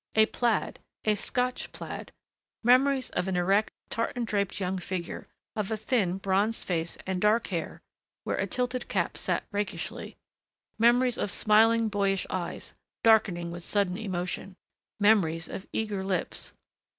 A plaid ... A Scotch plaid. Memories of an erect, tartan draped young figure, of a thin, bronzed face and dark hair where a tilted cap sat rakishly ... memories of smiling, boyish eyes, darkening with sudden emotion ... memories of eager lips....